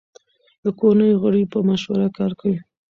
د کورنۍ غړي په مشوره کار کوي.